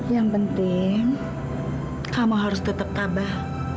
yang penting kamu harus tetap tabah